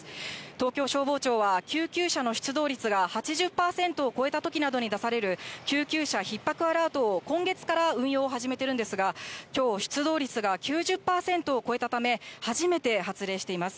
東京消防庁は、救急車の出動率が８０％を超えたときなどに出される救急車ひっ迫アラートを今月から運用を始めているんですが、きょう、出動率が９０％を超えたため、初めて発令しています。